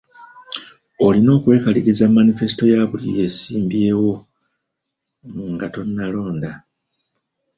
Olina okwekaliriza manifesito ya buli yeesimbyewo nga tonnalonda.